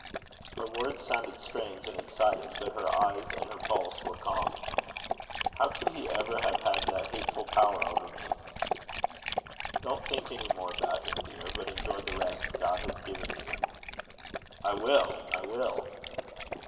Her words sounded strange and excited, but her eye and her pulse were calm. "How could he ever have had that hateful power over me?" "Don't think any more about him, dear, but enjoy the rest God has given you." "I will, I will."